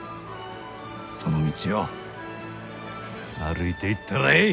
その道を歩いていったらえい！